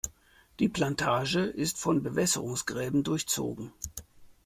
Die Plantage ist von Bewässerungsgräben durchzogen.